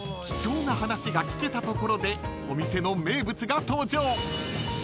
［貴重な話が聞けたところでお店の名物が登場］